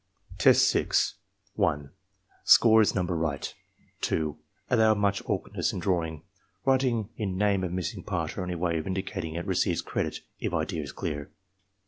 Test 6 1. Score is niunber right. 2. Allow much awkwardness in drawing. Writing in name of missing part or any way of indicating it receives credit, if idea is clear.